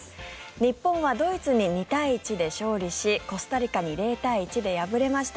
日本はドイツに２対１で勝利しコスタリカに０対１で敗れました。